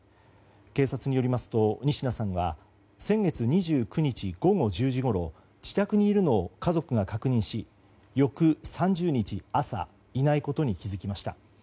警察によりますと仁科さんは先月２９日午後１０時ごろ自宅にいるのを家族が確認し翌３０日朝いないことに気づきました。